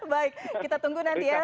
baik kita tunggu nanti ya